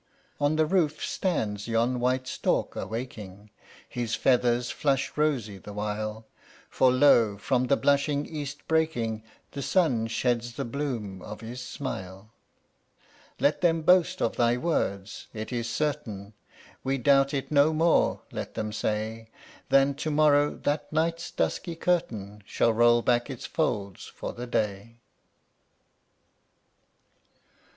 On the roof stands yon white stork awaking, His feathers flush rosy the while, For, lo! from the blushing east breaking, The sun sheds the bloom of his smile. Let them boast of thy word, "It is certain; We doubt it no more," let them say, "Than to morrow that night's dusky curtain Shall roll back its folds for the day."